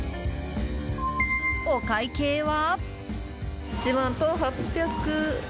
お会計は？